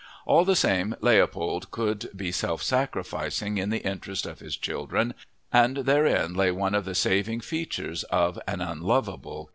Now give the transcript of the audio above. All the same, Leopold could be self sacrificing in the interest of his children and therein lay one of the saving features of an unlovable character.